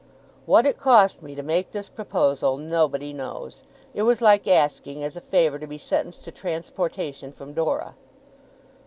What it cost me to make this proposal, nobody knows. It was like asking, as a favour, to be sentenced to transportation from Dora.